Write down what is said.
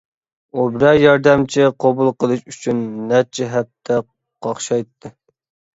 ئۇ بىرەر ياردەمچى قوبۇل قىلىش ئۈچۈن نەچچە ھەپتە قاقشايتتى.